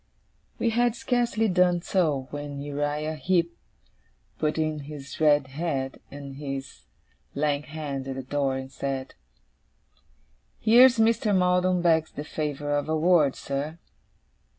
We had scarcely done so, when Uriah Heep put in his red head and his lank hand at the door, and said: 'Here's Mr. Maldon begs the favour of a word, sir.